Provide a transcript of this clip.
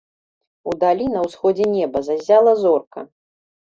Удалі, на ўсходзе неба, заззяла зорка.